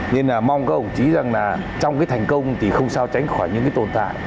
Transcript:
nên là mong các ông chí rằng là trong cái thành công thì không sao tránh khỏi những cái tồn tại